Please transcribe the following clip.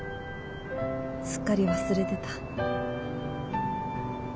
すっかり忘れてた。